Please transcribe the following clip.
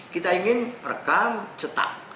kita ingin rekam cetak